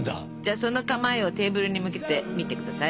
その構えをテーブルに向けてみてください。